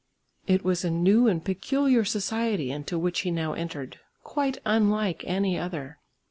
It was a new and peculiar society into which he now entered, quite unlike any other.